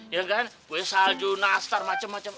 ya kan kue salju nastar macem macem